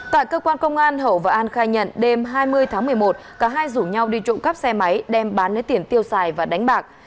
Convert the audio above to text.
tại cơ quan công an hậu và an khai nhận đêm hai mươi tháng một mươi một cả hai rủ nhau đi trộm cắp xe máy đem bán lấy tiền tiêu xài và đánh bạc